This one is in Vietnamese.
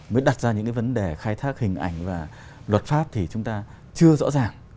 đã đặt ra những vấn đề khai thác hình ảnh và luật pháp thì chúng ta chưa rõ ràng